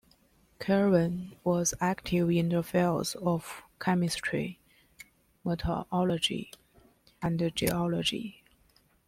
Kirwan was active in the fields of chemistry, meteorology, and geology.